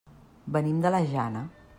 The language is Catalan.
Venim de la Jana.